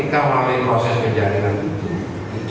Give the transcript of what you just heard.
ketika melalui proses penjaringan itu